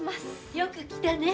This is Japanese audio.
よく来たねえ。